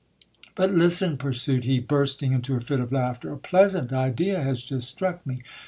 But listen, pursued he, bursting into a fit of laughter ; a pleasant idea has just struck me.